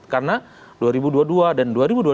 karena dua ribu dua puluh dua dan